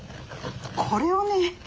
これをね